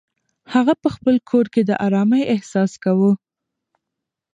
هغه په خپل کور کې د ارامۍ احساس کاوه.